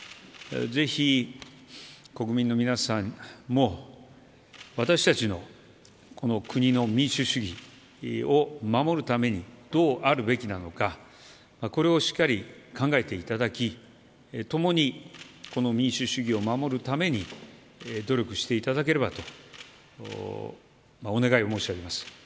ぜひ、国民の皆さんも私たちのこの国の民主主義を守るために、どうあるべきなのかこれをしっかり考えていただきともにこの民主主義を守るために努力していただければとお願いを申し上げます。